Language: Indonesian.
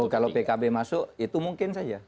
kalau pkb masuk itu mungkin saja